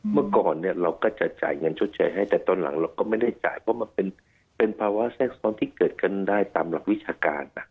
เมื่อก่อนเนี่ยเราก็จะจ่ายเงินชดเชยให้แต่ตอนหลังเราก็ไม่ได้จ่ายเพราะมันเป็นภาวะแทรกซ้อนที่เกิดขึ้นได้ตามหลักวิชาการนะ